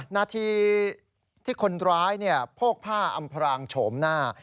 นาทีที่คนร้ายโพกผ้าอำพรางโฉมหน้า